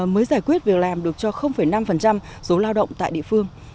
mới giải quyết việc làm được cho năm số lao động tại địa phương